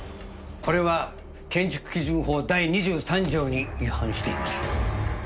これは建築基準法第２３条に違反しています